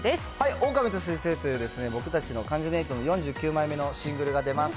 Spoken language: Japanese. オオカミと彗星という、僕たちの関ジャニ∞の４９枚目のシングルが出ます。